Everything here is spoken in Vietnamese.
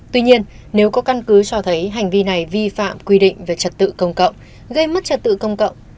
tuy nhiên nếu có căn cứ cho thấy hành vi này vi phạm quy định về trật tự công cộng gây mất trật tự công cộng